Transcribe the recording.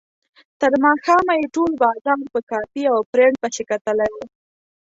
تر ماښامه یې ټول بازار په کاپي او پرنټ پسې کتلی و.